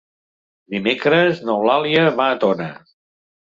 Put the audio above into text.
Dimecres n'Eulàlia va a Tona.